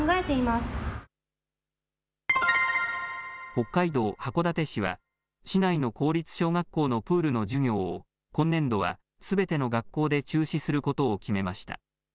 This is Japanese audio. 北海道函館市は市内の公立小学校のプールの授業を今年度はすべての学校で中止することを決めました。